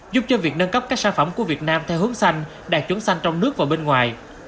giúp cho việc nâng cấp các sản phẩm của việt nam theo hướng xanh đạt chuẩn xanh trong nước và bên ngoài